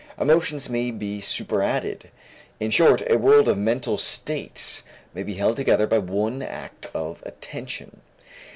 Emotions may be superadded. In short, a world of mental states may be held together by one act of attention.